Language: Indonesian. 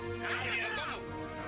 sekarang lihat kamu